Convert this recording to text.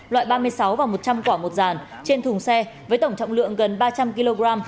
loại ba mươi sáu và một trăm linh quả một dàn trên thùng xe với tổng trọng lượng gần ba trăm linh kg